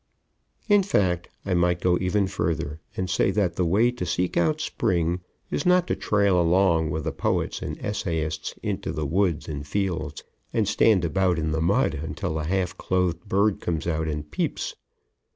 In fact, I might go even further and say that the way to seek out Spring is not to trail along with the poets and essayists into the woods and fields and stand about in the mud until a half clothed bird comes out and peeps.